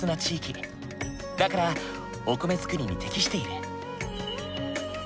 だからお米作りに適している。